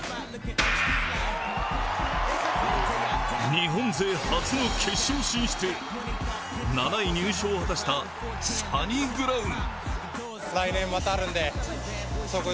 日本勢初の決勝進出へ、７位入賞を果たしたサニブラウン。